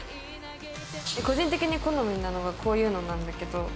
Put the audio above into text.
個人的に好みなのが、こういうのなんだけど。